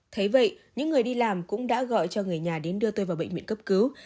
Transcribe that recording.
thế vậy những người đi làm cũng đã gọi cho người nhà đến đưa tôi vào bệnh viện cấp cứu